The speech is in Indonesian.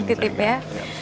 nih titip ya